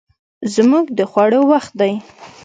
زموږ د خوړو وخت دی